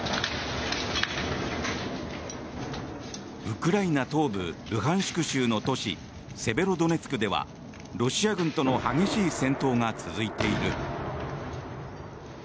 ウクライナ東部ルハンシク州の都市セベロドネツクではロシア軍との激しい戦闘が続いている。